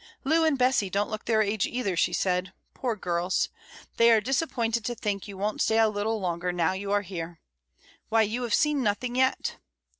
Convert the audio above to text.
"Lou and Bessie don't look their age, either," she said. "Poor girls, they are disappointed to think you won't stay a little longer now you are here: why, you have seen nothing yet."